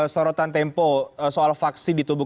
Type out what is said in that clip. sorotan tempo soal vaksin di tubuh